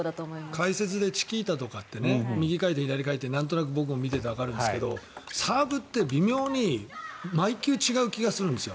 解説でチキータとかって右回転、左回転なんとなく僕も見ていてわかるんですけどサーブって微妙に毎球違う気がするんですよ。